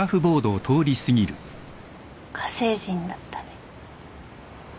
火星人だったね。